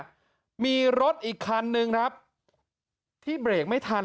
เมื่อสักครู่มีรถอิกคันนึงที่เบรกไม่ทัน